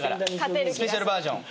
スペシャルバージョン。